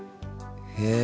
へえ。